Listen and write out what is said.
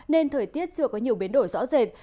nên thời tiết chưa có nhiều biến đổi rõ rệt